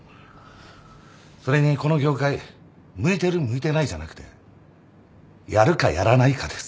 それにこの業界向いてる向いてないじゃなくてやるかやらないかです。